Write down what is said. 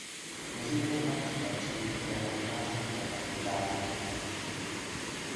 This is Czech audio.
Mezi jeho práce patří některé oltáře pro katedrálu ve Ferraře.